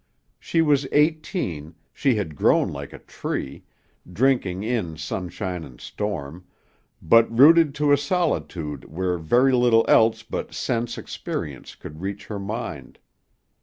She was eighteen, she had grown like a tree, drinking in sunshine and storm, but rooted to a solitude where very little else but sense experience could reach her mind.